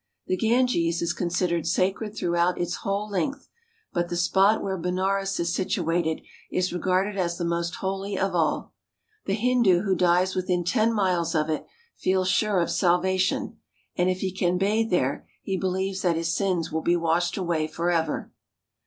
The Ganges is considered sacred throughout its whole length, but the spot where Benares is situated is re « gorgeous in jewelry "^^^^^^^^^^^^^^^ ^^j^ of all. The Hindu who dies within ten miles of it feels sure of salvation, and if he can bathe there, he believes that his sins will be washed away forever.